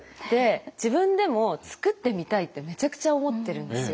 自分でも作ってみたいってめちゃくちゃ思ってるんですよ。